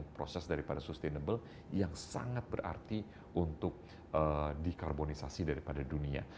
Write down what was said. proses daripada sustainable yang sangat berarti untuk dikarbonisasi daripada dunia